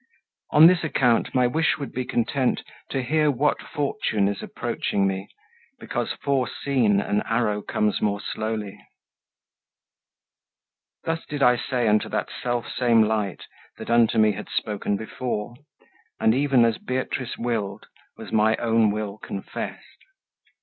On this account my wish would be content To hear what fortune is approaching me, Because foreseen an arrow comes more slowly." Thus did I say unto that selfsame light That unto me had spoken before; and even As Beatrice willed was my own will confessed.